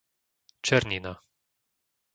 Černina